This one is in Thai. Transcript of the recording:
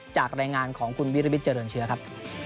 จากรายงานของคุณวิรวิทย์เจริญเชื้อครับ